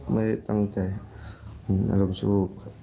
ไม่ได้ตั้งใจอารมณ์สูบ